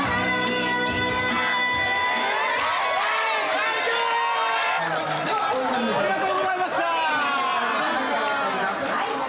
夏シマシタありがとうございました！